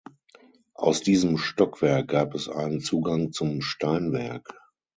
Aus diesem Stockwerk gab es einen Zugang zum Steinwerk.